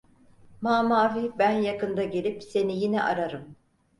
Mamafih ben yakında gelip seni yine ararım.